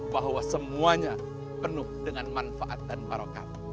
bahwa semuanya penuh dengan manfaat dan barokat